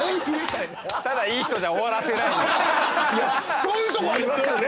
そういうとこありますよね